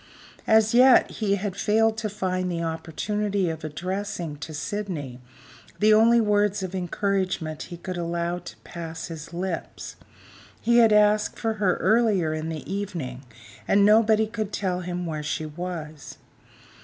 As yet, he had failed to find the opportunity of addressing to Sydney the only words of encouragement he could allow to pass his lips: he had asked for her earlier in the evening, and nobody could tell him where she was.